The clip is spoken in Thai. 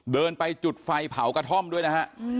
เดินไปจุดไฟเผากระท่อมด้วยนะฮะ